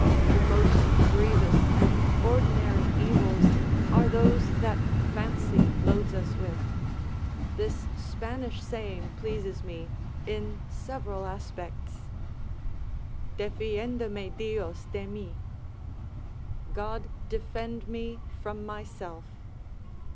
The most grievous and ordinary evils are those that fancy loads us with; this Spanish saying pleases me in several aspects: "Defenda me Dios de me." ["God defend me from myself."